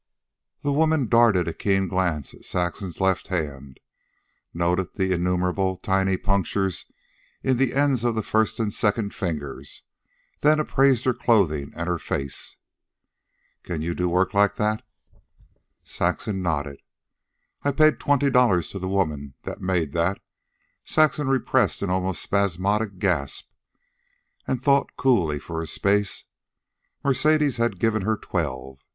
The woman darted a keen glance to Saxon's left hand, noted the innumerable tiny punctures in the ends of the first and second fingers, then appraised her clothing and her face. "Can you do work like that?" Saxon nodded. "I paid twenty dollars to the woman that made that." Saxon repressed an almost spasmodic gasp, and thought coolly for a space. Mercedes had given her twelve.